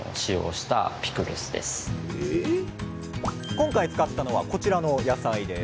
今回使ったのはこちらの野菜です。